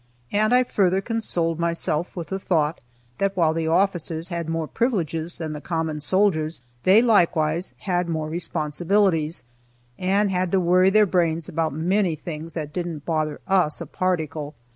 And I further consoled myself with the thought that while the officers had more privileges than the common soldiers, they likewise had more responsibilities, and had to worry their brains about many things that didn't bother us a particle.